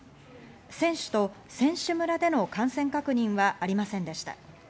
選手と選手村での感染確認はありませんでした。